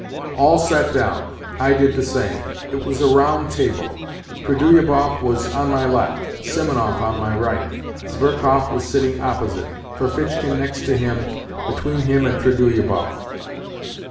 All sat down ; I did the same. It was a round table. Trudo lyubov was on my left, Simonov on my right. Zverkov was sitting opposite, Ferfitchkin next to him, between him and Trudolyubov.